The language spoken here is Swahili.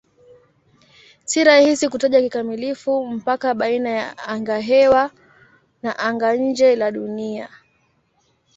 Si rahisi kutaja kikamilifu mpaka baina ya angahewa na anga-nje la Dunia.